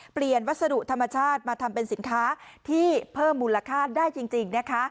วัสดุธรรมชาติมาทำเป็นสินค้าที่เพิ่มมูลค่าได้จริงนะคะ